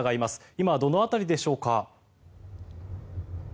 今、どの辺りでしょうか？